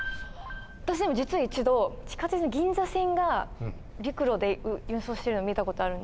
私でも実は一度地下鉄銀座線が陸路で輸送してるの見た事あるんですよ。